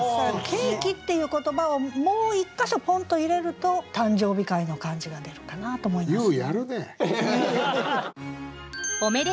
「ケーキ」っていう言葉をもう一か所ポンと入れると誕生日会の感じが出るかなと思います。